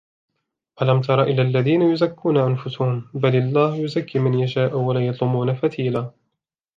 أَلَمْ تَرَ إِلَى الَّذِينَ يُزَكُّونَ أَنْفُسَهُمْ بَلِ اللَّهُ يُزَكِّي مَنْ يَشَاءُ وَلَا يُظْلَمُونَ فَتِيلًا